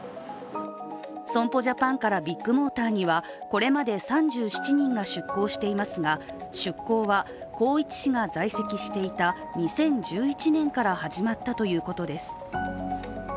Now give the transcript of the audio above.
損保ジャパンからビッグモーターにはこれまで３７人が出向していますが、出向は宏一氏が在籍していた２０１１年から始まったということです。